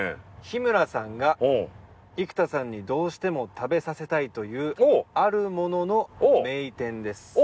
「日村さんが生田さんにどうしても食べさせたいというあるものの名店です」